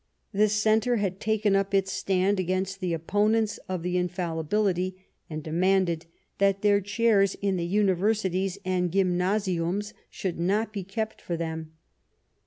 The Centre had taken up its stand against the opponents of the Infalli bility, and demanded that their chairs in the uni versities and gymnasiums should not be kept for them.